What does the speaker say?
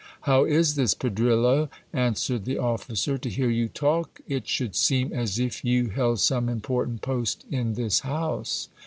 How is this, Pedrillo ? answered the officer ; to hear you talk it should seem as if you held some important post in this house.